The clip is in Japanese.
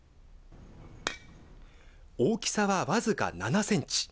大きさは僅か７センチ。